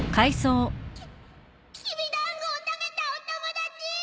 ききびだんごを食べたお友達！